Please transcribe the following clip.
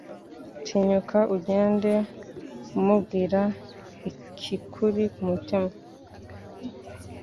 Tinyuka ugende umubwira ikikuri ku mutima